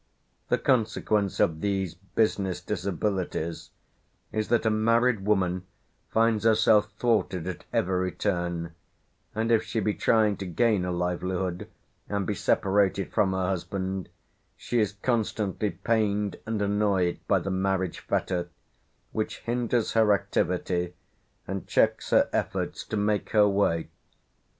The consequence of these business disabilities is that a married woman finds herself thwarted at every turn, and if she be trying to gain a livelihood, and be separated from her husband, she is constantly pained and annoyed by the marriage fetter, which hinders her activity and checks her efforts to make her way.